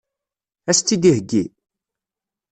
Ad as-tt-id-iheggi?